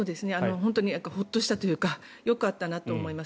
本当にホッとしたというかよかったなと思います。